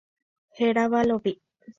Hérava Lovi.